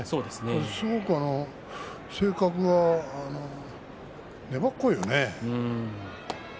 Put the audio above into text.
すごく性格が粘っこいよね。